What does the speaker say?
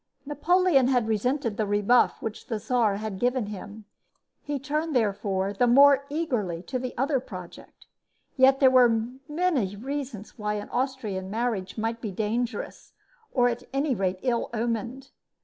Napoleon had resented the rebuff which the Czar had given him. He turned, therefore, the more eagerly to the other project. Yet there were many reasons why an Austrian marriage might be dangerous, or, at any rate, ill omened.